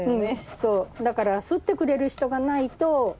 そうだからすってくれる人がないと。